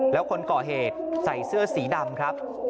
แล้วคนก่อเหตุใส่เสื้อสีดำครับ